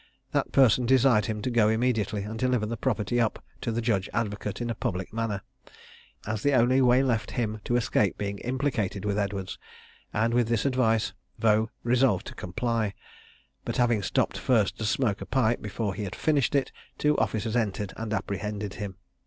That person desired him to go immediately and deliver the property up to the judge advocate in a public manner, as the only way left him to escape being implicated with Edwards, and with this advice Vaux resolved to comply, but having stopped first to smoke a pipe, before he had finished it, two officers entered and apprehended him.